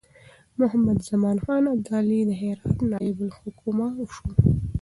محمدزمان خان ابدالي د هرات نایب الحکومه شو.